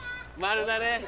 「○」だね。